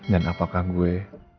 dan apakah gue